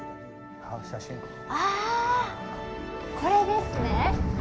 あー、これですね？